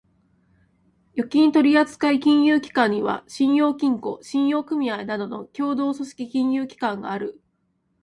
預金取扱金融機関には、信用金庫、信用組合などの協同組織金融機関がある。